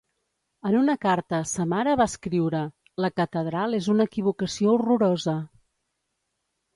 En una carta a sa mare va escriure: La Catedral es una equivocació horrorosa.